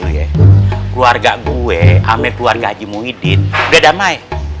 keluarga gue aneh keluarga haji muhyiddin udah damai